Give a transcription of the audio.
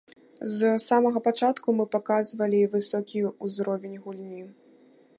З самага пачатку мы паказвалі высокі ўзровень гульні.